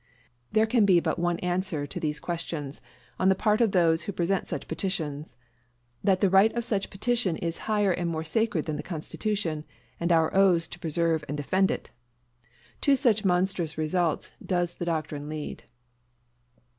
There can be but one answer to these questions on the part of those who present such petitions: that the right of such petition is higher and more sacred than the Constitution and our oaths to preserve and to defend it. To such monstrous results does the doctrine lead.